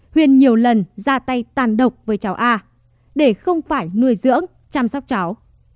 huyền nhiều lần ra tay tàn độc với cháu a để không phải nuôi dưỡng chăm sóc cháu